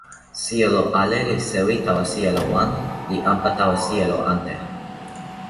sijelo ale li sewi tawa sijelo wan, li anpa tawa sijelo ante.